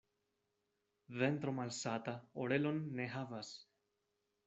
Ventro malsata orelon ne havas.